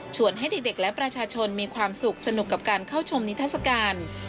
ให้เด็กและประชาชนมีความสุขสนุกกับการเข้าชมนิทัศกาล